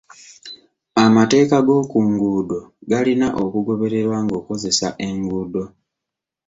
Amateeka g'oku nguudo galina okugobererwa ng'okozesa enguudo.